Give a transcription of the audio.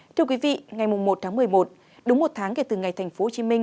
thưa quý vị ngày một tháng một mươi một đúng một tháng kể từ ngày tp hcm